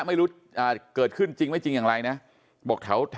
ไม่รู้เกิดขึ้นจริงไม่จริงอย่างไรนะบอกแถว